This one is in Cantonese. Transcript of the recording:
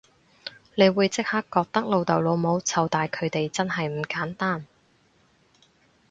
你會即刻覺得老豆老母湊大佢哋真係唔簡單